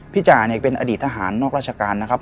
จ่าเนี่ยเป็นอดีตทหารนอกราชการนะครับ